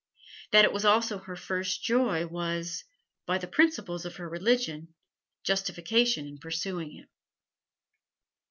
That it was also her first joy was, by the principles of her religion, justification in pursuing it.